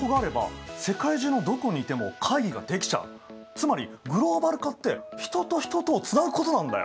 つまりグローバル化って人と人とをつなぐことなんだよ。